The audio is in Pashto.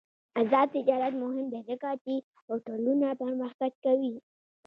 آزاد تجارت مهم دی ځکه چې هوټلونه پرمختګ کوي.